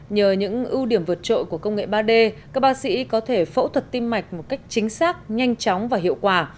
nhờ những ưu điểm vượt trội của công nghệ ba d các bác sĩ có thể phẫu thuật tim mạch một cách chính xác nhanh chóng và hiệu quả